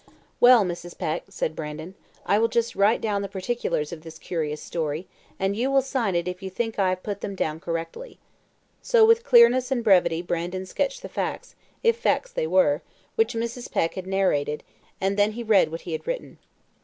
"Well, Mrs. Peck," said Brandon, "I will just write down the particulars of this curious story, and you will sign it if you think I have put them down correctly." So with clearness and brevity Brandon sketched the facts, if facts they were, which Mrs. Peck had narrated, and then he read what he had written.